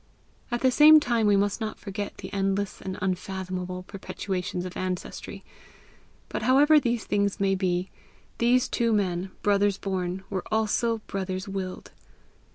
At the same time we must not forget the endless and unfathomable perpetuations of ancestry. But however these things may be, those two men, brothers born, were also brothers willed.